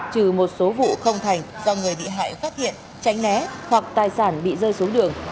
trừ một số vụ không thành do người bị hại phát hiện tránh né hoặc tài sản bị rơi xuống đường